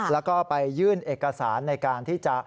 แล้วก็ไปยื่นเอกสารในการที่จะ